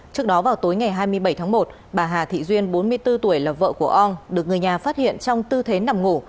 trước đó vào tối ngày hai mươi bảy tháng một bà hà thị duyên bốn mươi bốn tuổi là vợ của ong được người nhà phát hiện trong tư thế nằm ngủ